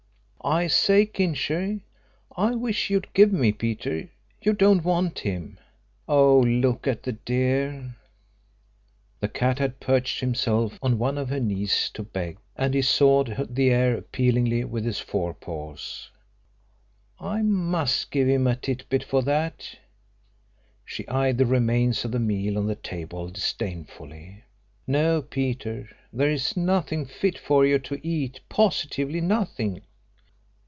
I say, Kincher, I wish you'd give me Peter; you don't want him. Oh, look at the dear!" The cat had perched himself on one of her knees to beg, and he sawed the air appealingly with his forepaws. "I must give him a tit bit for that." She eyed the remains of the meal on the table disdainfully. "No, Peter, there is nothing fit for you to eat positively nothing.